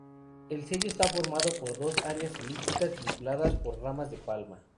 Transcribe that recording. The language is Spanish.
El sello está formado por dos áreas elípticas, vinculadas por ramas de palma.